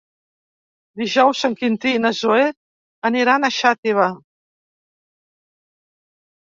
Dijous en Quintí i na Zoè aniran a Xàtiva.